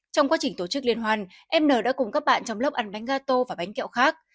trong quá trình tổ chức liên hoan em n đã cùng các bạn trong lớp ăn bánh gà tô và bánh kẹo khác